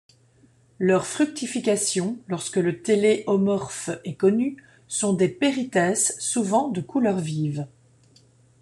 Leurs fructifications, lorsque le téléomorphe est connu, sont des périthèces, souvent de couleurs vives.